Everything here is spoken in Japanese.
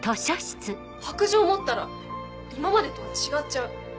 白杖持ったら今までとは違っちゃう。